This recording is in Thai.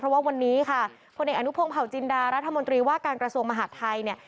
เพราะว่าวันนี้ค่ะพลเอกอนุพงศ์เผาจินดารัฐมนตรีว่าการกระทรวงมหาดไทยเนี่ย